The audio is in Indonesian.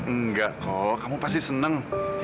enggak kok kamu pasti senang